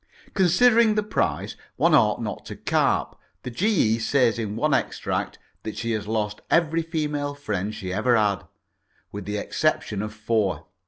Considering the price, one ought not to carp. The G.E. says in one extract that she has lost every female friend she ever had, with the exception of four.